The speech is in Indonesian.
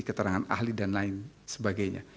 keterangan ahli dan lain sebagainya